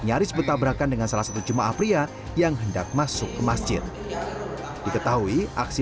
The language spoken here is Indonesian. nyaris bertabrakan dengan salah satu jemaah pria yang hendak masuk ke masjid diketahui aksi